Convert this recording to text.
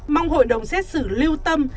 mong hội đồng xét xử lưu tâm